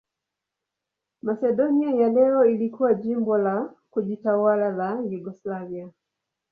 Masedonia ya leo ilikuwa jimbo la kujitawala la Yugoslavia.